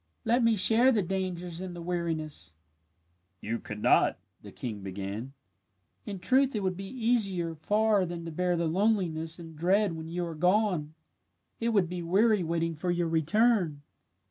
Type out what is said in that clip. Let me share the dangers and the weariness." "You could not " the king began. "In truth it would be easier far than to bear the loneliness and dread when you are gone. It would be weary waiting for your return!"